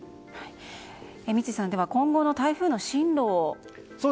三井さん、今後の台風の進路を。